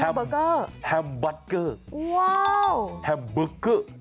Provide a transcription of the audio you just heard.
มีแฮมเบอร์เกอร์ว้าวพักเกอร์